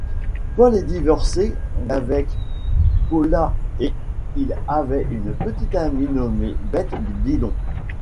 Paul est divorcé d'avec Paula et il avait une petite amie nommée Beth Dillon.